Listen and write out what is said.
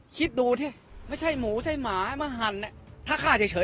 คิดดูที่ไม่ใช่หมูไม่ใช่หมามาหันเนี่ยถ้าฆ่าเฉยเฉย